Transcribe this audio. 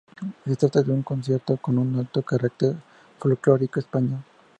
Se trata de un concierto con un alto carácter folclórico español.